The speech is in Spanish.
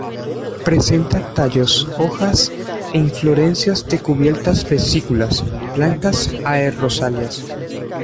Presenta tallos, hojas e inflorescencias de cubiertas vesículas blancas a rosáceas.